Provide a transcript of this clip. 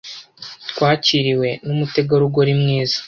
Twakiriwe numutegarugori mwiza.